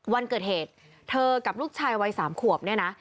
วันเกิดเหตุเธอกับลูกชายวัย๓ขวบเนี่ยนะ